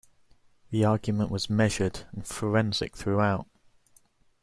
The argument was measured and forensic throughout.